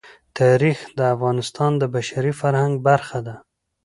تاریخ د افغانستان د بشري فرهنګ برخه ده.